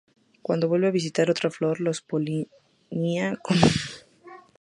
Cuando vuelve a visitar otra flor los polinia golpean el estigma.